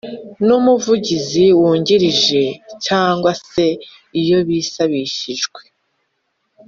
n Umuvugizi wungirije cyangwa se iyo bisabishijwe